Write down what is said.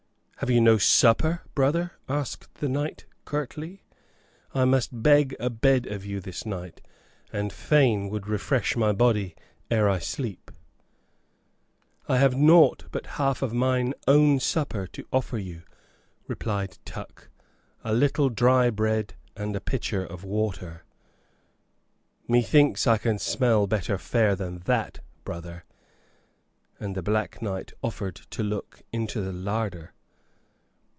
"Have you no supper, brother?" asked the knight, curtly. "I must beg a bed of you this night, and fain would refresh my body ere I sleep." "I have naught but half of mine own supper to offer you," replied Tuck; "a little dry bread and a pitcher of water." "Methinks I can smell better fare than that, brother;" and the Black Knight offered to look into the larder.